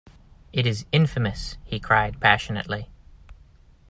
"It is infamous," he cried passionately.